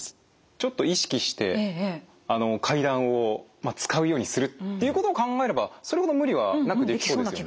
ちょっと意識して階段を使うようにするっていうことを考えればそれほど無理はなくできそうですね。